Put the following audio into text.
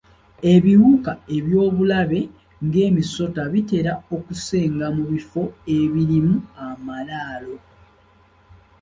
Ebiwuka eby'obulabe ng'emisota bitera okusenga mu bifo ebirimu amalaalo.